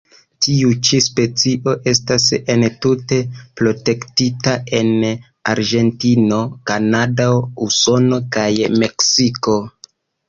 Tiu ĉi specio estas entute protektita en Argentino, Kanado, Usono kaj Meksiko.